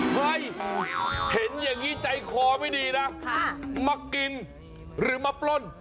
เฮ้ยเห็นอย่างนี้ใจคอไม่ดีนะมากินหรือมาปล้น